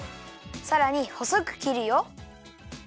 さらにほそくきるよ。